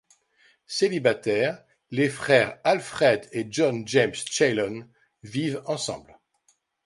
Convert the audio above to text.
Célibataires, les frères Alfred et John James Chalon vivent ensemble.